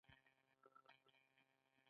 ایا ستاسو روغتیا ښه نه ده؟